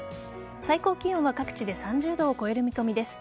最高気温は各地で３０度を超える見込みです。